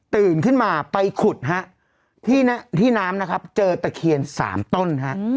ตื่นขึ้นมาไปขุดฮะที่น้ำนะครับเจอตะเคียน๓ต้นฮะ